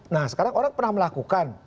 nah sekarang orang pernah melakukan